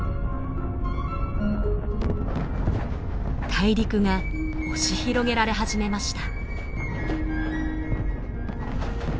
大陸が押し広げられ始めました。